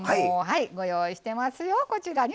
ご用意してますよ。